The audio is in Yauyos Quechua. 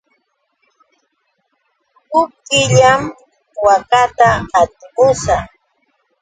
Huk killam waakata qatimushaq.